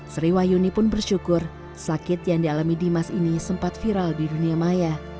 sriwayuni pun bersyukur sakit yang dialami dimas ini sempat viral di dunia maya